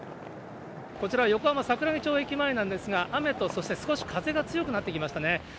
こちら横浜・桜木町駅前なんですが、雨とそして少し風が強くなってきましたね。